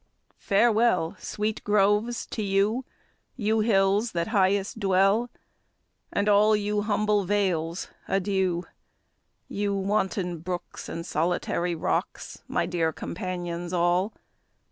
Farewell! Sweet groves, to you! You hills, that highest dwell; And all you humble vales, adieu! You wanton brooks, and solitary rocks, My dear companions all!